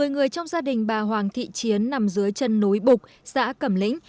một mươi người trong gia đình bà hoàng thị chiến nằm dưới chân nối bục xã cầm lĩnh